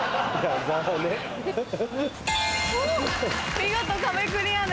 見事壁クリアです。